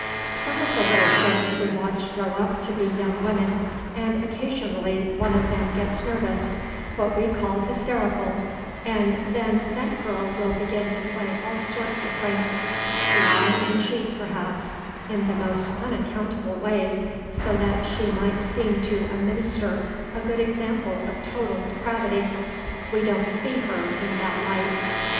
"Some of the little folks we watch grow up to be young women, and occasionally one of them gets nervous, what we call hysterical, and then that girl will begin to play all sorts of pranks, to lie and cheat, perhaps, in the most unaccountable way, so that she might seem to a minister a good example of total depravity. We don't see her in that light.